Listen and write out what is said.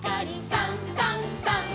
「さんさんさん」